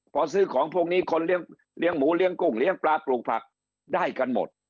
พอซื้อของพวกนี้คนเลี้ยงหมูเลี้ยงกุ้งเลี้ยงปลาปลูกผักได้กันหมด